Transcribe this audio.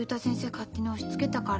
勝手に押しつけたから。